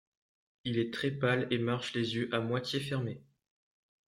Il est très pâle et marche les yeux à moitié fermés.